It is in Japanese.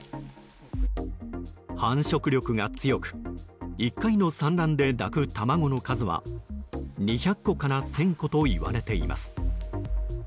繁殖力が強く１回の産卵で抱く卵の数は２００個から１０００個といわれています。